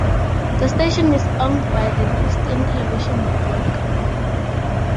The station is owned by the Christian Television Network.